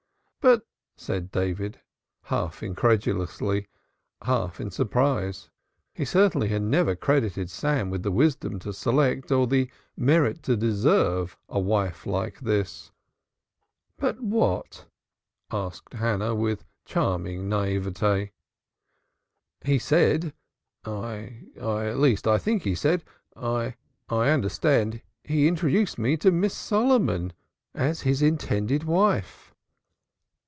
"But " said David, half incredulously, half in surprise. He certainly had never credited Sam with the wisdom to select or the merit to deserve a wife like this. "But what?" asked Hannah with charming naïveté. "He said I I at least I think he said I I understood that he introduced me to Miss Solomon, as his intended wife."